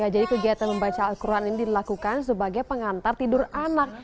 jadi kegiatan membaca al quran ini dilakukan sebagai pengantar tidur anak